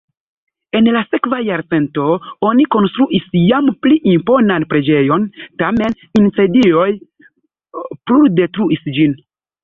En la sekva jarcento oni konstruis jam pli imponan preĝejon, tamen incendioj bruldetruis ĝin.